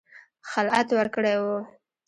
خلعت ورکړی وو.